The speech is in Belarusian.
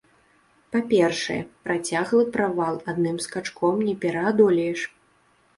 Па-першае, працяглы правал адным скачком не пераадолееш.